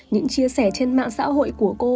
những chia sẻ trên mạng xã hội của cô